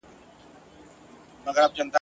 څه خبر وي وږي څرنګه ویدیږي ..